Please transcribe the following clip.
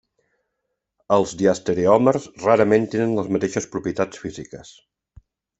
Els diastereòmers rarament tenen les mateixes propietats físiques.